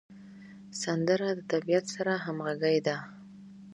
سندره د طبیعت سره همغږې ده